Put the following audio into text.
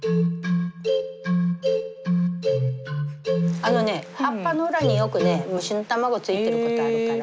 あのね葉っぱの裏によくね虫の卵ついてる事あるから。